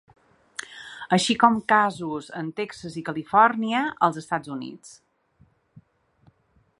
Així com casos en Texas i Califòrnia als Estats Units.